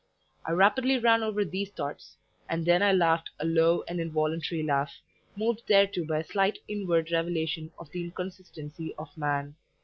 I rapidly ran over these thoughts, and then I laughed a low and involuntary laugh, moved thereto by a slight inward revelation of the inconsistency of man.